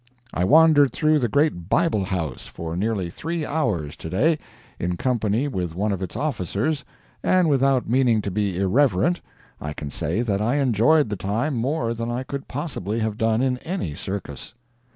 I wandered through the great Bible House for nearly three hours, to day, in company with one of its officers, and without meaning to be irreverent, I can say that I enjoyed the time more than I could possibly have done in any circus.